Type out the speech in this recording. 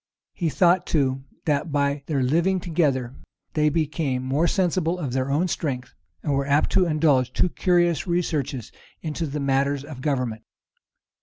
He thought too, that by their living together, they became more sensible of their own strength, and were apt to indulge too curious researches into matters of government.